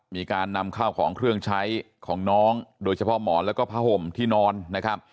มีการนำข้าวของเครื่องใช้ของน้องโดยเฉพาะหมอนแล้วก็ผ้าห่มที่นอนนะครับ